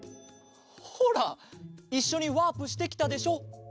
ほらいっしょにワープしてきたでしょ。